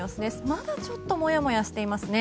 まだちょっともやもやしていますね。